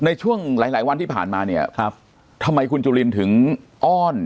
ในช่วงหลายหลายวันที่ผ่านมาเนี่ยครับทำไมคุณจุลินถึงอ้อน